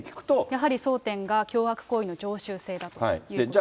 やはり争点は脅迫行為の常習性だということですね。